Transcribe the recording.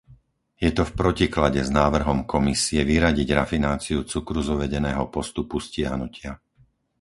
Je to v protiklade s návrhom Komisie vyradiť rafináciu cukru z uvedeného postupu stiahnutia.